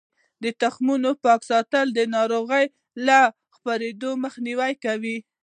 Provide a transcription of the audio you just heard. د تخمونو پاک ساتل د ناروغیو له خپریدو مخنیوی کوي.